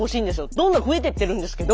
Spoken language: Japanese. どんどん増えてってるんですけど。